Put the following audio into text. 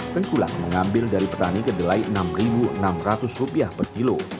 tengkulak mengambil dari petani kedelai rp enam enam ratus per kilo